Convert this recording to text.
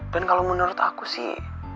dan kalau menurut aku sih